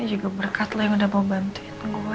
ini juga berkat lo yang udah mau bantuin gue